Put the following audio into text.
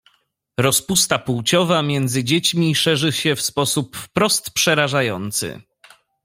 "Rozpusta płciowa między dziećmi szerzy się w sposób wprost przerażający."